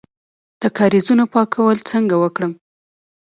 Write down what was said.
د کاریزونو پاکول څنګه وکړم؟